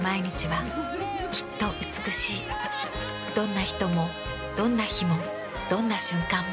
どんな人もどんな日もどんな瞬間も。